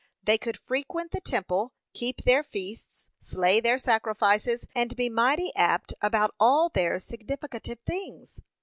They could frequent the temple, keep their feasts, slay their sacrifices, and be mighty apt about all their significative things.